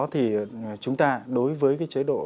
thì chúng ta đối với cái chế độ